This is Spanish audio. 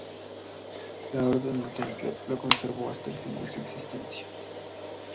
La Orden del Temple lo conservó hasta el fin de su existencia.